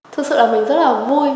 thật sự là mình rất là vui